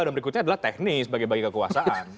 dan berikutnya adalah teknis bagi bagi kekuasaan